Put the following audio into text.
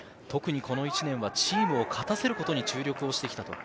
特にこの１年はチームを勝たせることに注力をしてきた。